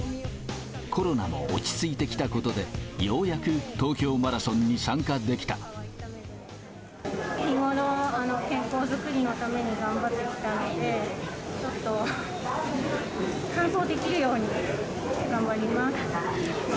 コロナも落ち着いてきたことで、ようやく東京マラソンに参加でき日頃、健康作りのために頑張ってきたので、ちょっと完走できるように頑張ります。